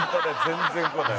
全然来ない。